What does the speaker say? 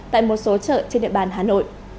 tại một số chợ trên địa bàn hà nội